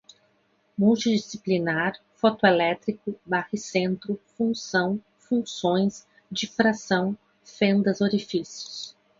multidisciplinar, fotoelétrico, baricentro, função, funções, difração, fendas, orifícios